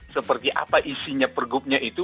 seperti apa isinya pergubnya itu